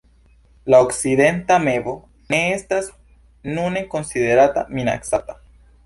La Okcidenta mevo ne estas nune konsiderata minacata.